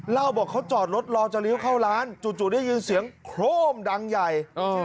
เราบอกเขาจอดลดรอจะริ้วเข้าร้านจุดก็ยืนเสียงโครมดังใหญ่